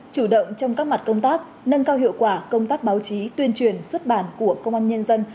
chủ động trong các mặt công tác nâng cao hiệu quả công tác báo chí tuyên truyền xuất bản của công an nhân dân